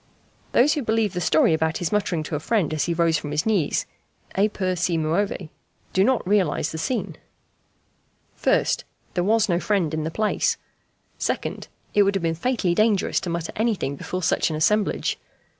Those who believe the story about his muttering to a friend, as he rose from his knees, "e pur si muove," do not realize the scene. 1st. There was no friend in the place. 2nd. It would have been fatally dangerous to mutter anything before such an assemblage.